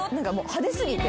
派手過ぎて。